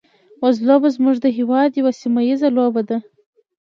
وزلوبه زموږ د هېواد یوه سیمه ییزه لوبه ده.